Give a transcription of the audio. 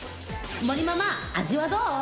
盛ママ味はどう？